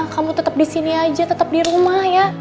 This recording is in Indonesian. kamu tetap di sini aja tetap di rumah ya